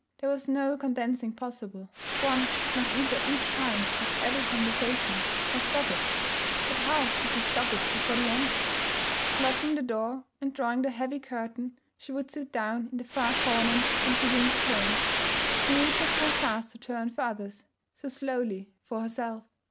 There was no condensing possible; one must either each time have every conversation or stop it. But how could she stop it before the end? Locking the door and drawing the heavy curtain, she would sit down in the far corner and begin to turn. She knew just how fast to turn for others; so slowly for herself.